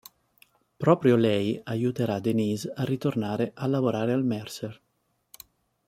Proprio lei aiuterà Denise a ritornare a lavorare al Mercer.